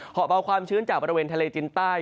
อบเอาความชื้นจากบริเวณทะเลจินใต้